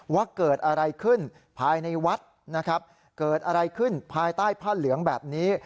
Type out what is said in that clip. ว่าเกิดอะไรขึ้นภายในวัดนะครับเกิดอะไรขึ้นภายใต้ผ้าเหลืองแบบนี้